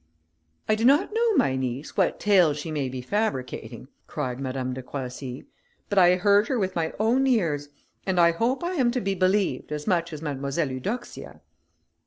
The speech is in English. "I do not know, my niece, what tale she may be fabricating," cried Madame de Croissy, "but I heard her with my own ears, and I hope I am to be believed, as much as Mademoiselle Eudoxia."